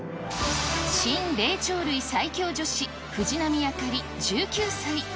新・霊長類最強女子、藤浪朱理１９歳。